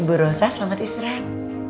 ibu rosa selamat istirahat